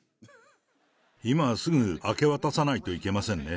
今すぐ明け渡さないといけませんね。